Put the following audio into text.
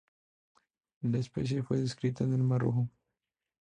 La especie tipo fue descrita en el mar Rojo.